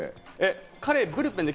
ブルペンで。